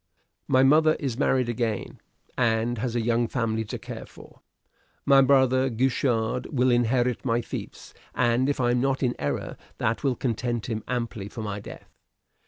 "My mother is married again, and has a young family to care for. My brother Guichard will inherit my fiefs; and if I am not in error, that will content him amply for my death.